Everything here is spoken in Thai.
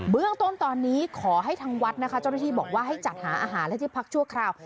เรื่องต้นตอนนี้ขอให้ทางวัดนะคะเจ้าหน้าที่บอกว่าให้จัดหาอาหารและที่พักชั่วคราว